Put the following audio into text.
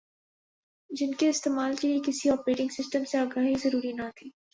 جن کے استعمال کے لئے کسی اوپریٹنگ سسٹم سے آگاہی ضروری نہ تھی